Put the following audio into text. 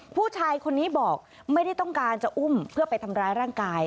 ผู้ชายคนนี้บอกไม่ได้ต้องการจะอุ้มเพื่อไปทำร้ายร่างกาย